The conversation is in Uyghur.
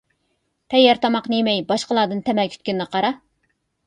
تەييار تاماقنى يېمەي، باشقىلاردىن تەمە كۈتكىنىنى قارا!